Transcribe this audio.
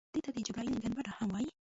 دې ته د جبرائیل ګنبده هم وایي.